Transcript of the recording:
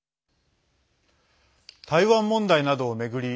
台湾問題などを巡り